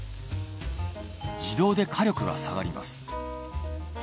自動で火力が下がります。